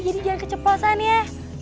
jadi jangan keceplosan ya